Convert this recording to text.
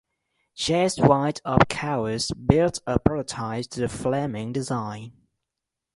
J. S. White of Cowes built a prototype to the Fleming design.